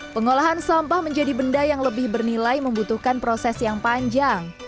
pengolahan sampah menjadi benda yang lebih bernilai membutuhkan proses yang panjang